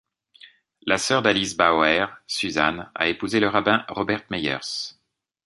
La sœur d'Alice Bauer, Suzanne, a épousé le rabbin Robert Meyers.